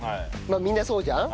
みんなそうじゃん？